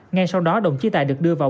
ngay sau đó đồng chi tài được đưa vào